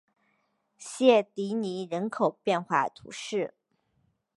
谢迪尼人口变化图示